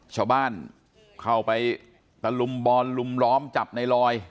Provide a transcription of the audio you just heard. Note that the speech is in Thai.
ชาวบ้านเข้าไปตะลุมบอลลุมล้อมจับในลอย